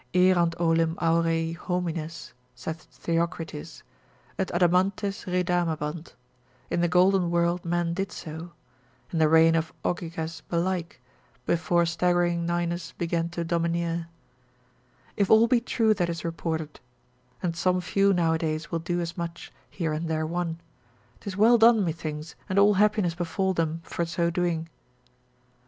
Erant olim aurei homines (saith Theocritus) et adamantes redamabant, in the golden world men did so, (in the reign of Ogyges belike, before staggering Ninus began to domineer) if all be true that is reported: and some few nowadays will do as much, here and there one; 'tis well done methinks, and all happiness befall them for so doing.